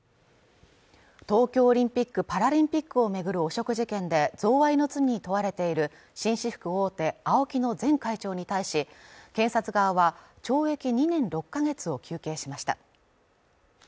東京オリンピック・パラリンピックを巡る汚職事件で贈賄の罪に問われている紳士服大手のＡＯＫＩの前会長に対し検察側は懲役２年６か月を求刑しました